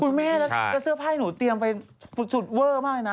คุณแม่แล้วเสื้อผ้าหนูเตรียมไปสุดเวอร์มากเลยนะ